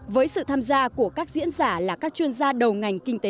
với sự tham gia của các diễn giả là các chuyên gia đầu ngành kinh tế